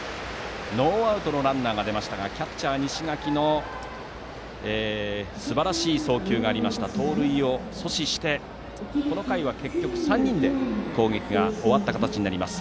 ノーアウトのランナーが出ましたがキャッチャー、西垣のすばらしい送球で盗塁を阻止してこの回は結局３人で攻撃が終わった形になります。